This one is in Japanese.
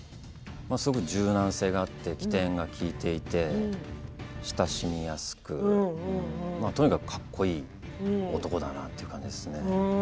すごく柔軟性があって機転が利いていて親しみやすくてとにかくかっこいい男だなという感じですね。